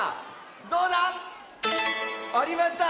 どうだ⁉ありました。